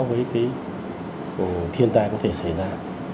với cái thiên tai có thể xảy ra